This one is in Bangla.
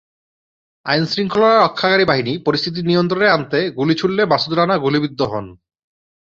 আইনশৃঙ্খলা রক্ষাকারী বাহিনী পরিস্থিতি নিয়ন্ত্রণে আনতে গুলি ছুড়লে মাসুদ রানা গুলিবিদ্ধ হন।